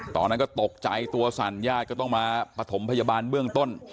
ตอนนั้นก็ตกใจตัวสั่นญาติก็ต้องมาปฐมพยาบาลเบื้องต้น